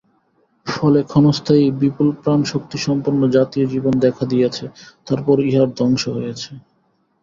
ফলে ক্ষণস্থায়ী বিপুলপ্রাণশক্তিসম্পন্ন জাতীয়-জীবন দেখা দিয়াছে, তারপর উহার ধ্বংস হইয়াছে।